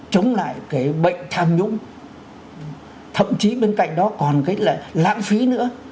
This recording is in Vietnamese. chống lại cái bệnh tham nhũng thậm chí bên cạnh đó còn cái là lãng phí nữa